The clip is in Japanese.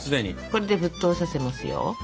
これで沸騰させますよ。